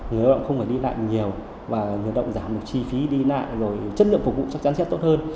người hợp động không phải đi lại nhiều và người hợp động giảm được chi phí đi lại rồi chất lượng phục vụ chắc chắn sẽ tốt hơn